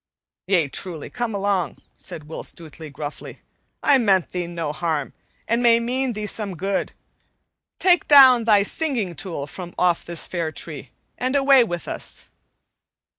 "Yea, truly, come along," said Will Stutely gruffly. "I meant thee no harm, and may mean thee some good. Take down thy singing tool from off this fair tree, and away with us."